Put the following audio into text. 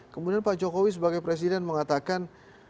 kemudian pak jokowi sebagai presiden mengatakan